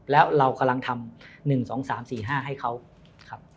แล้วเรากำลังทำ๑๒๓๔๕ให้เขาครับ